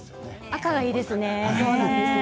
赤がいいですよね。